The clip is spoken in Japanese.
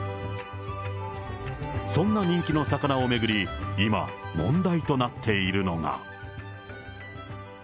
そんな人気の魚を巡り、今、問題となっているのが。